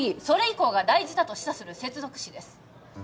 「それ以降が大事だ」と示唆する接続詞です